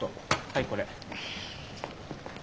はいこれ。